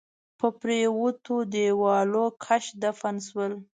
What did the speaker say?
په پريوتو ديوالونو کښ دفن شول